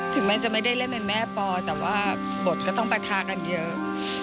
ถึงแม้จะไม่ได้เล่นเป็นแม่ปอแต่ว่าบทก็ต้องปะทะกันเยอะ